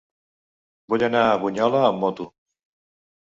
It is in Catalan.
Vull anar a Bunyola amb moto.